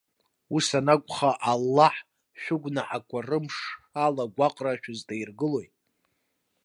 Ус анакәха, Аллаҳ шәгәнаҳақәа рымшала агәаҟра шәызҭаиргылои?